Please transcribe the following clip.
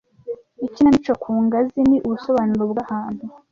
Ikinamico ku ngazi ni ubusobanuro bw'ahantu